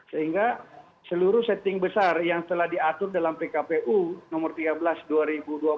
sehingga seluruh setting besar yang telah diatur dalam pkpu nomor tiga belas dua ribu dua puluh